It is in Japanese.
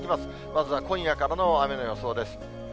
まずは今夜からの雨の予想です。